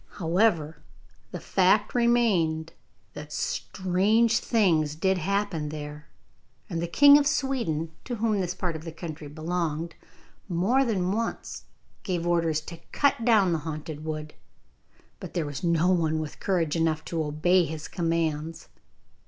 However, the fact remained that strange things did happen there, and the King of Sweden, to whom this part of the country belonged, more than once gave orders to cut down the haunted wood, but there was no one with courage enough to obey his commands.